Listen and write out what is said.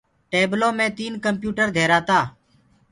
ٽيبلو مي تين ڪمپيوٽر ڌيرآ تآ